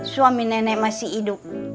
suami nenek masih hidup